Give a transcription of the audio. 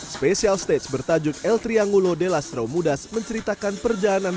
special stage bertajuk el triangulo de las romudas menceritakan perjalanan